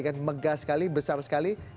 kan megah sekali besar sekali